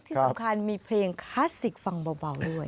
ที่สำคัญมีเพลงคลาสสิกฟังเบาด้วย